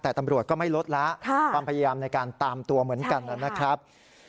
แต่ตำรวจก็ไม่ลดละความพยายามในการตามตัวเหมือนกันนะครับ